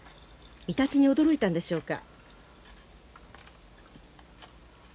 イタチに驚いたんでしょうか？